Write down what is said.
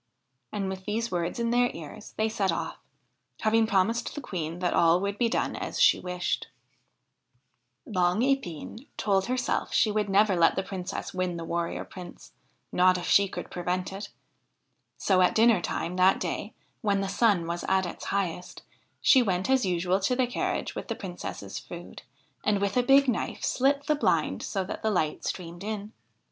And, with these words in their ears, they set off, having promised the Queen that all would be done as she wished. 53 THE HIND OF THE WOOD Long Epine told herself she would never let the Princess win the Warrior Prince, not if she could prevent it ; so, at dinner time that day, when the sun was at its highest, she went as usual to the carriage with the Princess's food, and, with a big knife, slit the blind so that the light streamed in.